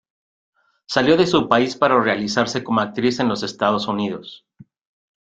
Salió de su país para realizarse como actriz en los Estados Unidos.